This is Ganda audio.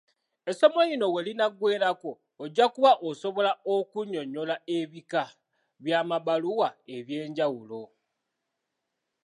Essomo lino we linaggweerako, ojja kuba osobola okunnyonnyola ebika by'amabbaluwa eby'enjawulo.